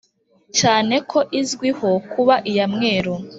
cyane ko izwiho kuba iya mweru